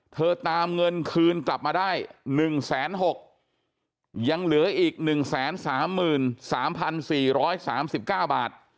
เธอตามเงินคืนกลับมาได้หนึ่งแสนหกยังเหลืออีกหนึ่งแสนสามหมื่นสามพันสี่ร้อยสามสิบเก้าบาท